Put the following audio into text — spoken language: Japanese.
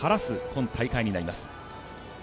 今大会になります。